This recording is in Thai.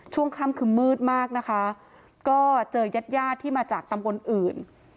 ช่วงค่ำคือมืดมากนะคะก็เจอยาดที่มาจากตำบลอื่น